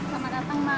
selamat datang mas mbak